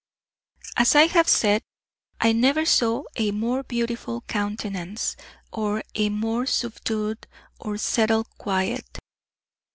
As I have said, I never saw a more beautiful countenance, or a more subdued or settled quiet.